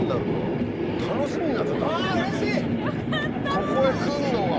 ここへ来んのが！